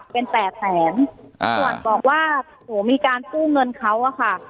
เป็นแปดแสนส่วนบอกว่าหนูมีการกู้เงินเขาอะค่ะ